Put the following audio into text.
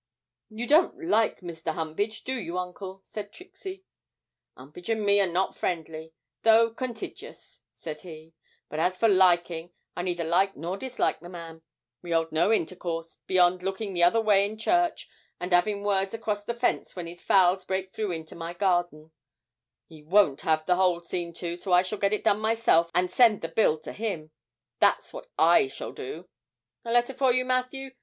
'You don't like Mr. Humpage, do you, uncle?' said Trixie. ''Umpage and me are not friendly though contiguous,' said he; 'but as for liking, I neither like nor dislike the man; we 'old no intercourse, beyond looking the other way in church and 'aving words across the fence when his fowls break through into my garden he won't have the hole seen to, so I shall get it done myself and send the bill in to him that's what I shall do. A letter for you, Matthew?